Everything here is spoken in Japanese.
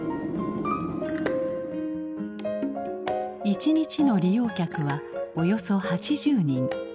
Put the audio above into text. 一日の利用客はおよそ８０人。